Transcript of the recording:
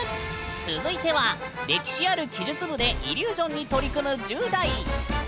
続いては歴史ある奇術部でイリュージョンに取り組む１０代！